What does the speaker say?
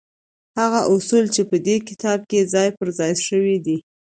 هغه اصول چې په دې کتاب کې ځای پر ځای شوي دي.